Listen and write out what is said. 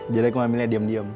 jadinya kemampunannya diam diam